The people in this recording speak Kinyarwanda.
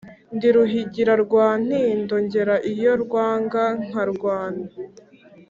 ndi Ruhigira rwa Ntindo ngera iyo rwaga nkarwana